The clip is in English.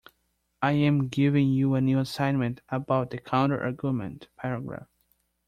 I am giving you a new assignment about the counterargument paragraph.